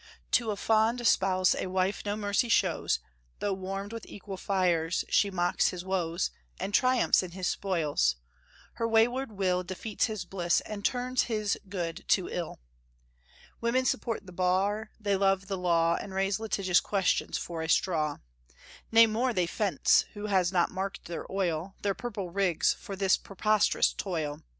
To a fond spouse a wife no mercy shows; Though warmed with equal fires, she mocks his woes, And triumphs in his spoils; her wayward will Defeats his bliss and turns his good to ill. Women support the bar; they love the law, And raise litigious questions for a straw. Nay, more, they fence! who has not marked their oil, Their purple rigs, for this preposterous toil!